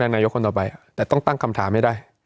นายกคนต่อไปแต่ต้องตั้งคำถามให้ได้